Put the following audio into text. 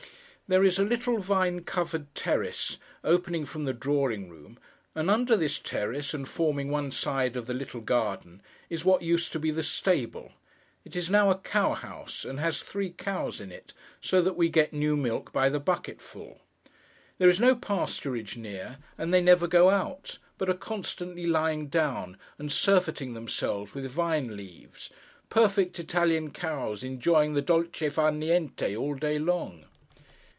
There is a little vine covered terrace, opening from the drawing room; and under this terrace, and forming one side of the little garden, is what used to be the stable. It is now a cow house, and has three cows in it, so that we get new milk by the bucketful. There is no pasturage near, and they never go out, but are constantly lying down, and surfeiting themselves with vine leaves—perfect Italian cows enjoying the dolce far' niente all day long.